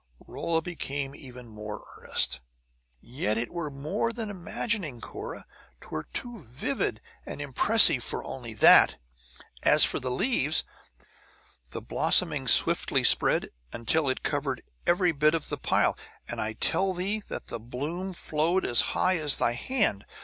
Rolla became even more earnest. "Yet it were more than imagining, Cunora; 'twere too vivid and impressive for only that. As for the leaves, the blossoming swiftly spread until it covered every bit of the pile; and I tell thee that the bloom flowed as high as thy hand!